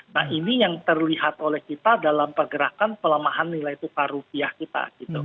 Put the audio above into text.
nah ini yang terlihat oleh kita dalam pergerakan pelemahan nilai tukar rupiah kita